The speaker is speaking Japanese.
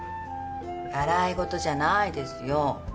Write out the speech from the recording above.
笑い事じゃないですよ。